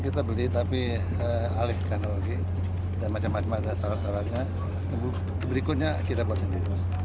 kapal perang ini juga memiliki ketahanan berlayar mencapai dua